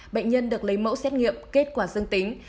bệnh nhân được lấy mẫu xét nghiệm kết quả dương tính